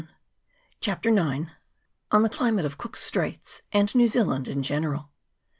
CHAPTER IX. On the Climate of Cook's Straits and New Zealand in general.